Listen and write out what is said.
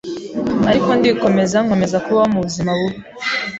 ariko ndikomeza nkomeza kubaho mu buzima bubi